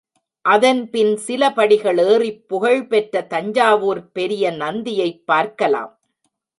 அதன் பின் சில படிகள் ஏறிப் புகழ் பெற்ற தஞ்சாவூர் பெரிய நந்தியைப் பார்க்கலாம்.